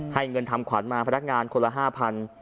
ให้เงินทำขวัญมาพระนักงานคนละห้าพัน